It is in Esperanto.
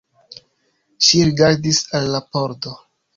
Ŝi rigardis al la pordo.